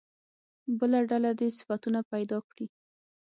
بله ډله دې صفتونه پیدا کړي.